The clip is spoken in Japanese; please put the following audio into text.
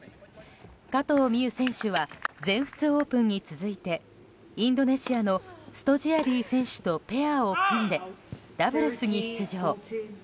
加藤未唯選手は全仏オープンに続いてインドネシアのストジアディ選手とペアを組んで、ダブルスに出場。